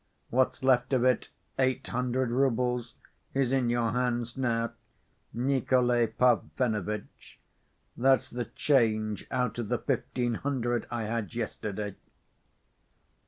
What's left of it, eight hundred roubles, is in your hands now, Nikolay Parfenovitch. That's the change out of the fifteen hundred I had yesterday."